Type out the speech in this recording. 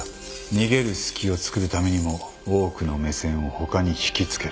逃げる隙をつくるためにも多くの目線を他に引き付ける。